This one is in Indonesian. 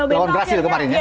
paulo bento yang kemarin ya